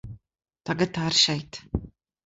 Tagad tā ir šeit.